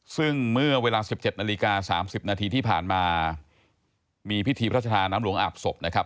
ซึ่งเมื่อเวลา๑๗นาฬิกา๓๐นาทีที่ผ่านมามีพิธีพระชาธาน้ำหลวงอาบศพนะครับ